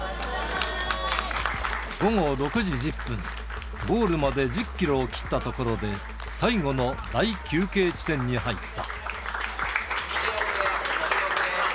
午後６時１０分、ゴールまで１０キロを切ったところで、最後の大休憩地点に入った。